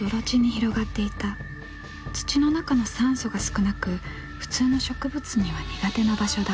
土の中の酸素が少なく普通の植物には苦手な場所だ。